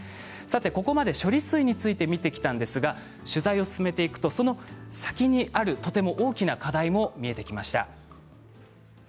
ここまで処理水について見てきましたが取材を進めていくとその先にあるとても大きな課題も見えてきました。